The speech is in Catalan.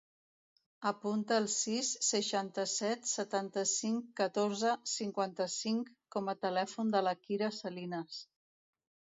Apunta el sis, seixanta-set, setanta-cinc, catorze, cinquanta-cinc com a telèfon de la Kira Salinas.